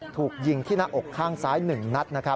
ถูกยิงที่หน้าอกข้างซ้าย๑นัด